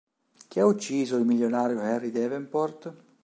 Chi ha ucciso il milionario Harry Davenport?